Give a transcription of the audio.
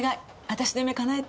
私の夢かなえて！